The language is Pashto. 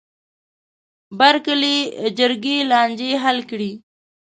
بر کلي جرګې لانجې حل کړې.